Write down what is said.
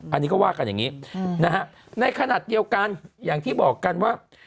อันนี้ก็ว่ากันอย่างนี้นะฮะในขณะเดียวกันอย่างที่บอกกันว่า